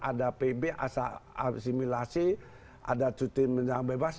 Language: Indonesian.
ada pb asimilasi ada cuti menjelang bebas